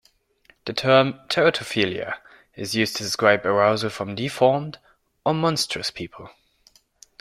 The term "teratophilia" is used to describe arousal from deformed or monstrous people.